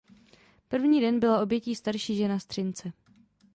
První den byla obětí starší žena z Třince.